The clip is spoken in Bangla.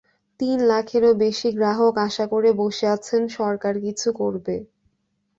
তিন লাখেরও বেশি গ্রাহক আশা করে বসে আছেন সরকার কিছু করবে।